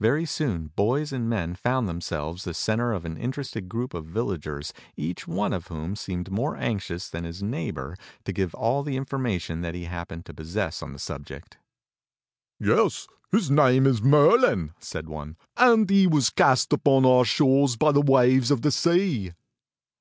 Very soon boys and men found themselves the centre of an interested group of villagers each one of whom seemed more anxious than his neighbor to give all the information that he happened to possess on the subject. "Yes, his name is Merlin," said one, "and he was cast upon our shores by the waves of the sea."